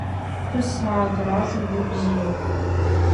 Ԥҳәысаагаразар уи бзиоуп.